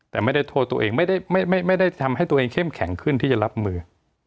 แต่ไม่ได้โทษตัวเองไม่ได้ทำให้ตัวเองเข้มแข็งขึ้นที่จะรับมือ